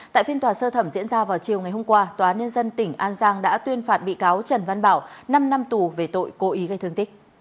tại phiên tòa sơ thẩm diễn ra vào chiều ngày hôm qua tòa nhân dân tỉnh an giang đã tuyên phạt bị cáo trần văn bảo năm năm tù về tội cố ý gây thương tích